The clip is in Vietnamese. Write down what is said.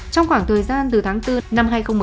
trong khoảng thời gian từ tháng bốn năm hai nghìn một mươi